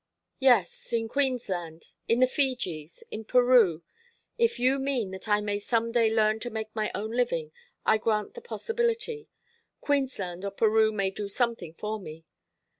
"Yes, in Queensland, in the Fijis, in Peru. If you mean that I may some day learn to make my own living, I grant the possibility. Queensland or Peru may do something for me.